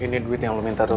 ini duit yang lu minta dok